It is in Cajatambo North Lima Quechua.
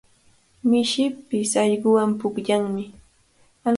Mishipish allquwan pukllanmi.